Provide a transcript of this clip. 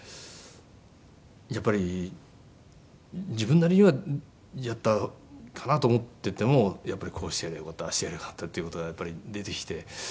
やっぱり自分なりにはやったかなと思っててもこうしてやればよかったああしてやればよかったっていう事がやっぱり出てきて。